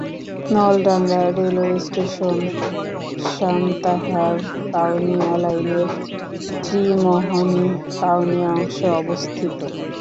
Naldanga railway station Santahar Kaunia লাইনের ত্রিমোহনী-কাউনিয়া অংশে অবস্থিত।